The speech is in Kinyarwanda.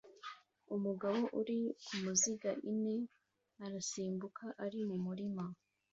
Umugabo uri kumuziga ine arasimbuka ari mumurima